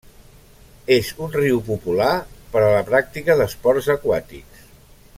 És un riu popular per a la pràctica d'esports aquàtics.